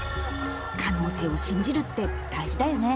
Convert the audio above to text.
可能性を信じるって大事だよね。